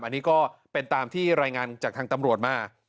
อันนี้ก็เป็นตามที่รายงานจากทางตำรวจมา